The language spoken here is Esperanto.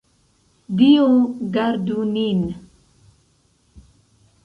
Dio gardu nin!